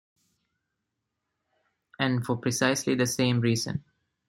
And for precisely the same reason!